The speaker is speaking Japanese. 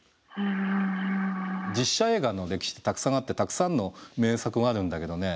実写映画の歴史ってたくさんあってたくさんの名作があるんだけどね